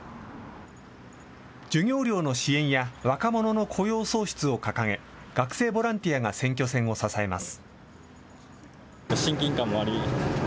授業料の支援や若者の雇用創出を掲げ、学生ボランティアが選挙戦を支えます。